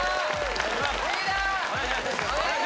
お願いします